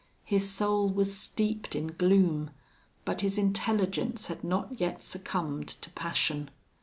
His soul was steeped in gloom, but his intelligence had not yet succumbed to passion.